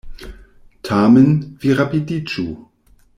Tamen, vi rapidiĝu.